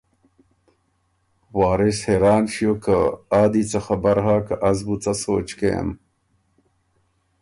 وارث حېران ݭیوک که آ دی څۀ خبر هۀ که از بُو څۀ سوچ کېم۔